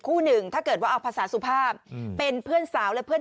หนึ่งถ้าเกิดว่าเอาภาษาสุภาพเป็นเพื่อนสาวและเพื่อน